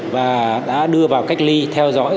và đã đưa vào cách ly theo dõi